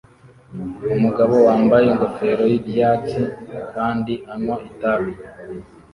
Umugabo yambaye ingofero y'ibyatsi kandi anywa itabi